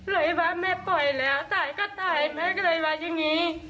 เลยว่าแม่ปล่อยแล้วตายก็ตายแม่ก็เลยว่าอย่างนี้